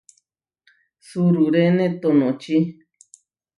Suʼrúrene tonoči.